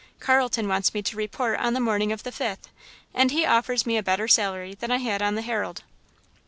Carlton wants me to report on the morning of the fifth, and he offers me a better salary than I had on The Herald."